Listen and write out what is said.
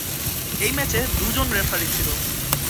এই ম্যাচে দুইজন রেফারী ছিল।